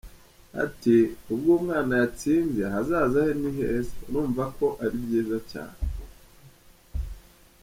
Ati” Ubwo umwana yatsinze, ahazaza he ni heza, urumva ko ari byiza cyane.